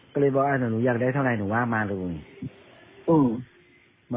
ก็เลยบอกว่าหนูอยากได้เท่าไรหนูว่ามาเลย